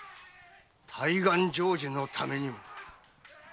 大願成就のためにも。